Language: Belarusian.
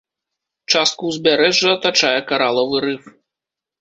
Частку ўзбярэжжа атачае каралавы рыф.